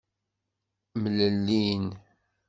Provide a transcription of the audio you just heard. Mlellin.